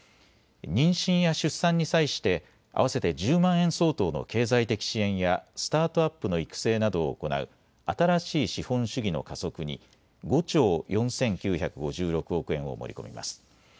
妊娠や出産に際して合わせて１０万円相当の経済的支援やスタートアップの育成などを行う新しい資本主義の加速に５兆４９５６億円を盛り込みます。